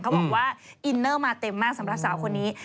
เขาบอกว่าอินเนอร์มาเต็มมากสำหรับสาวคนนี้